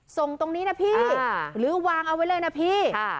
ส่งตรงนี้นะพี่หรือวางเอาไว้เลยนะพี่